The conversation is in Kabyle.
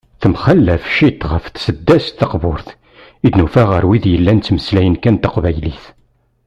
Temxalaf ciṭ ɣef tseddast taqburt i d-nufa ɣer wid yellan ttmeslayen kan taqbaylit.